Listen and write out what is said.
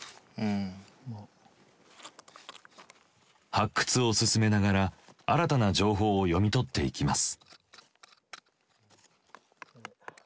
発掘を進めながら新たな情報を読み取っていきます。